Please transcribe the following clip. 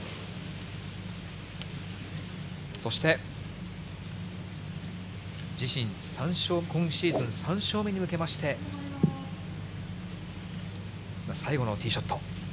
そして、自身３勝、今シーズン３勝目に向けまして、最後のティーショット。